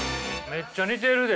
めっちゃ似てる。